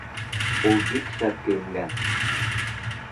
Ул бик шәп кейенгән.